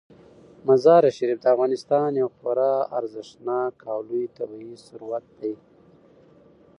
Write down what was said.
مزارشریف د افغانستان یو خورا ارزښتناک او لوی طبعي ثروت دی.